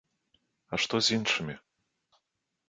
А што з іншымі?